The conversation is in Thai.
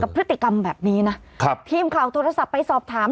พฤติกรรมแบบนี้นะครับทีมข่าวโทรศัพท์ไปสอบถาม